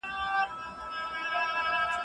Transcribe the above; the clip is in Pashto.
زینک د معافیتي سیستم په فعالیت کې برخه لري.